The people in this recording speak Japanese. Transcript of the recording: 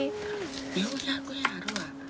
４００円あるわ。